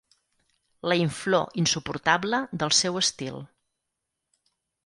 La inflor insuportable del seu estil.